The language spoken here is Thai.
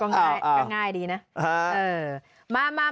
ก็ง่ายนี้เนอะ